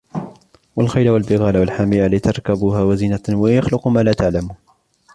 والخيل والبغال والحمير لتركبوها وزينة ويخلق ما لا تعلمون